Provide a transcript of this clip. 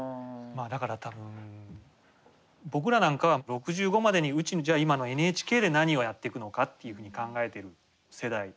だから多分僕らなんかは６５までのうちにじゃあ今のＮＨＫで何をやっていくのかっていうふうに考えてる世代。